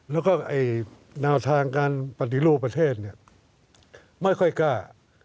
แล้วก็แนวทางการปฏิรูปประเทศเนี่ยไม่ค่อยกล้า